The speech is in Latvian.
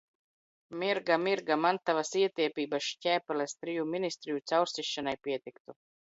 Mirga, Mirga, man tavas ietiepības šķēpeles triju ministriju caursišanai pietiktu!